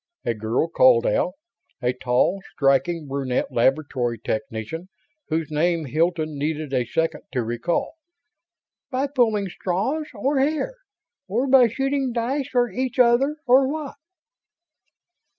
a girl called out; a tall, striking, brunette laboratory technician whose name Hilton needed a second to recall. "By pulling straws or hair? Or by shooting dice or each other or what?"